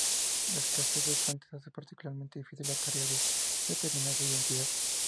La escasez de fuentes hace particularmente difícil la tarea de determinar su identidad.